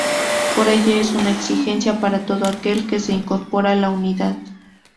Por ello es una exigencia para todo aquel que se incorpora a la unidad.